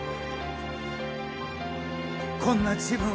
こんな自分を